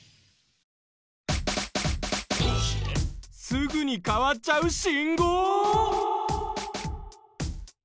すぐに変わっちゃう信号！